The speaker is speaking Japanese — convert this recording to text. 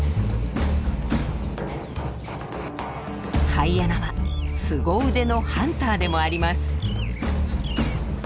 ハイエナはすご腕のハンターでもあります。